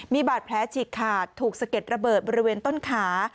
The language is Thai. มีบาดแผลฉีกขาดถูกสะเก็ดระเบิดบริเวณต้นขา